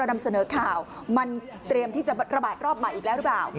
มันเตรียมที่จะระบาดรอบมาอีกแล้วหรือเปล่า